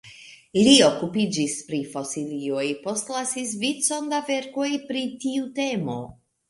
Li okupiĝis pri fosilioj, postlasis vicon da verkoj pri tiu temo.